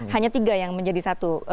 hanya tiga yang menjadi satu